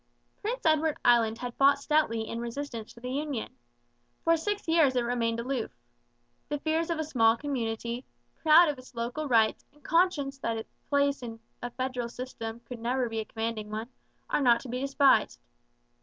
Prince Edward Island had fought stoutly in resistance to the union. For six years it remained aloof. The fears of a small community, proud of its local rights and conscious that its place in a federal system could never be a commanding one, are not to be despised.